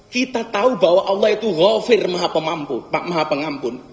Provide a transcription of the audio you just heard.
kita tahu bahwa allah itu ghafir maha pengampun